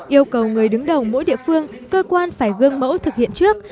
yêu cầu người đứng đầu mỗi địa phương cơ quan phải gương mẫu thực hiện trước